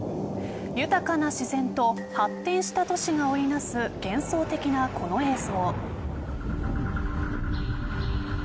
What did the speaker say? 豊かな自然と発展した都市が織りなす幻想的なこの映像。